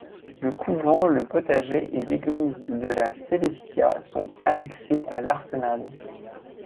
Le couvent, le potager et l'église de la Celestia sont annexés à l'arsenal.